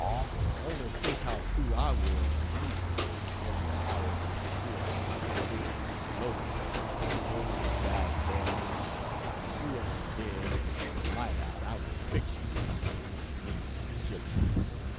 For only think how true I was to you: Every hour that he was here I was saying, gloatingly, "O G d you, when you are in bed and your light out, I will fix you" (meaning to kill him)....